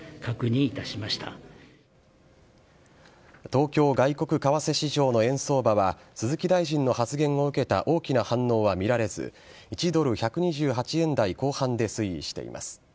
東京外国為替市場の円相場は鈴木大臣の発言を受けた大きな反応は見られず１ドル１２８円台後半で推移しています。